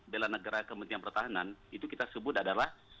bela negara kementerian pertahanan itu kita sebut adalah